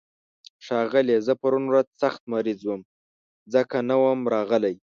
ښاغليه، زه پرون ورځ سخت مريض وم، ځکه نه وم راغلی.